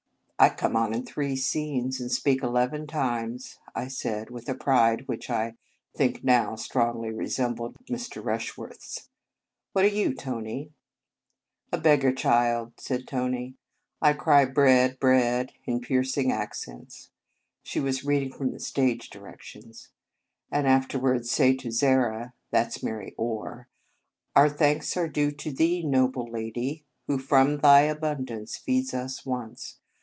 " I come on in three scenes, and speak eleven times," I said, with a pride which I think now strongly resembled Mr. Rush worth s. " What are you, Tony ?"" A beggar ch ild," said Tony. " I cry Bread! bread! in piercing accents" (she was reading from the stage direc tions), "and afterwards say to Zara, that s Mary Orr, Our thanks are due to thee, noble lady, who from thy abundance feeds us once.